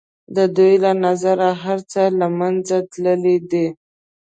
د دوی له نظره هر څه له منځه تللي دي.